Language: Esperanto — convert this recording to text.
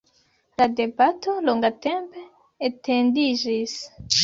La debato longatempe etendiĝis.